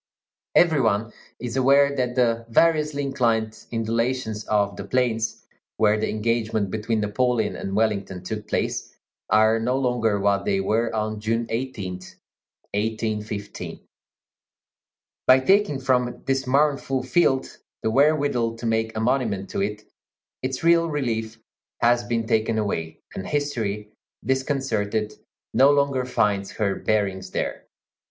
Every one is aware that the variously inclined undulations of the plains, where the engagement between Napoleon and Wellington took place, are no longer what they were on June 18, 1815. By taking from this mournful field the wherewithal to make a monument to it, its real relief has been taken away, and history, disconcerted, no longer finds her bearings there.